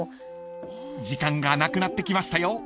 ［時間がなくなってきましたよ